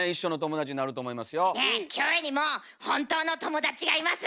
キョエにも本当の友達がいます。